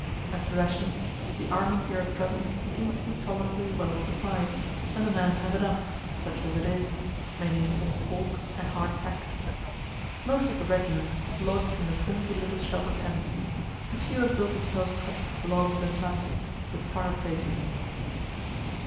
As to rations, the army here at present seems to be tolerably well supplied, and the men have enough, such as it is, mainly salt pork and hard tack. Most of the regiments lodge in the flimsy little shelter tents. A few have built themselves huts of logs and mud, with fire places.